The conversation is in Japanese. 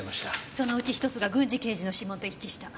その内１つが郡侍刑事の指紋と一致した。